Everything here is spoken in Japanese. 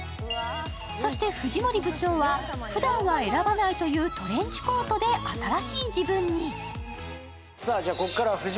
そして藤森部長はふだんは選ばないというトレンチコートで新しい自分に。